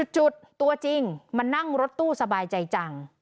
จุดตัวจริงมานั่งรถตู้สบายใจจัง